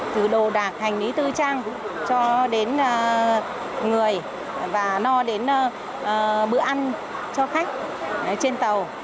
từ đồ đạc hành lý tư trang cho đến người và no đến bữa ăn cho khách trên tàu